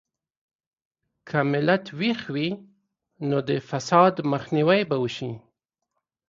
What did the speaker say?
که ملت ویښ وي، نو د فساد مخنیوی به وشي.